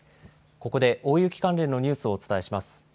ここで大雪関連のニュースをお伝えします。